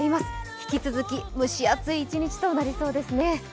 引き続き蒸し暑い一日となりそうですね。